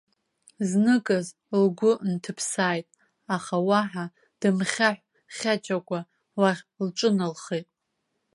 Зныказ лгәы нҭыԥсааит, аха уаҳа дымхьаҳә-хьачакәа уахь лҿыналхеит.